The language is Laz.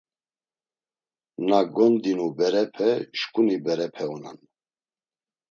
Na gondinu berepe, şǩuni berepe onan.